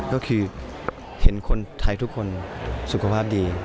ก็คือเห็นคนไทยทุกคนสุขภาพดี